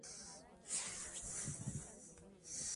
شاه محمود د خپلو جنرالانو سره د جګړې پلانونه شریک کړل.